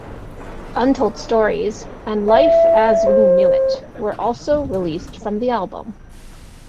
"Untold Stories" and "Life as We Knew It" were also released from the album.